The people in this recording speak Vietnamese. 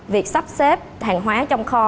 việc sắp xếp hàng hóa trong kho